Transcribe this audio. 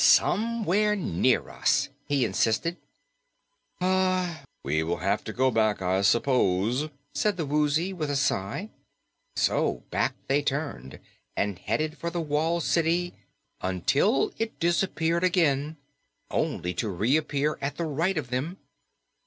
"Somewhere near us," he insisted. "We will have to go back, I suppose," said the Woozy with a sigh. So back they turned and headed for the walled city until it disappeared again, only to reappear at the right of them.